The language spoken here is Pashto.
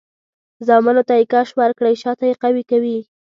زامنو ته یې کش ورکړی؛ شاته یې قوي کوي.